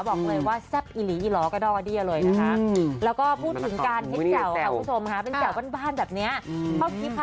สีสัสเนี่ยบอกเลยแซ็บซากสุดไปเลยนะค่ะ